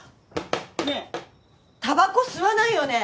ねえタバコ吸わないよね？